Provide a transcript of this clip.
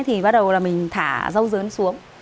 thì bắt đầu là mình thả rau dấn xuống